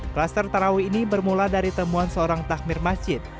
kluster tarawih ini bermula dari temuan seorang takmir masjid